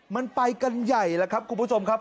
มันไปกันใหญ่แล้วครับคุณผู้ชมครับ